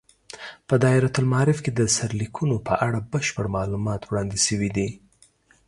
په دایرة المعارف کې د سرلیکونو په اړه بشپړ معلومات وړاندې شوي دي.